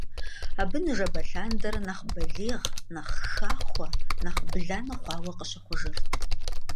Абы ныжэбэ лъандэрэ нэхъ балигъ, нэхъ хахуэ, нэхъ бланэ хъуауэ къыщыхъужырт.